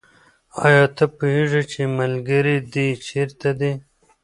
آیا ته پوهېږې چې ملګري دې چېرته دي؟